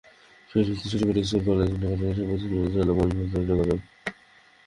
Facebook থেকে শুরু করে স্কুল, কলেজ, কিন্ডারগার্টেন—এসব প্রতিষ্ঠানে চলে বন্ধুদের যোগাযোগ।